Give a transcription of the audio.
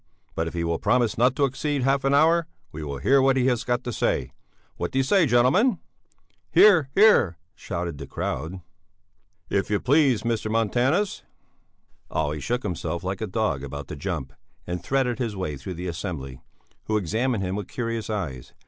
But if he will promise not to exceed half an hour, we will hear what he has got to say. What do you say, gentlemen?" "Hear! Hear!" "If you please, Mr. Montanus." Olle shook himself like a dog about to jump, and threaded his way through the assembly, who examined him with curious eyes.